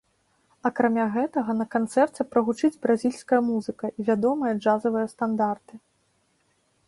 Акрамя гэтага, на канцэрце прагучыць бразільская музыка і вядомыя джазавыя стандарты.